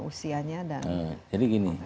usianya jadi gini